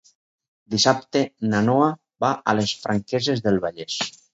Dissabte na Noa va a les Franqueses del Vallès.